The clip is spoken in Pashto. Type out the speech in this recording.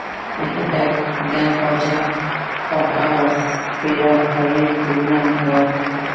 مخې ته ګڼ پاخه او سپېره خولي کورونه راوځي.